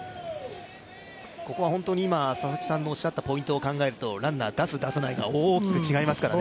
ここは本当に今、佐々木さんのおっしゃったポイントによりますとランナー出す、出さないが大きく違いますからね。